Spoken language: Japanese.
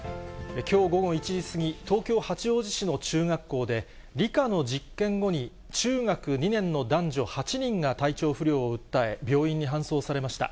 きょう午後１時過ぎ、東京・八王子市の中学校で、理科の実験後に、中学２年の男女８人が体調不良を訴え、病院に搬送されました。